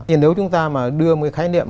thì nếu chúng ta mà đưa một cái khái niệm